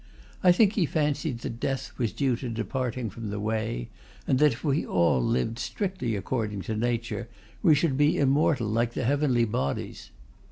I think he fancied that death was due to departing from the "way," and that if we all lived strictly according to nature we should be immortal, like the heavenly bodies.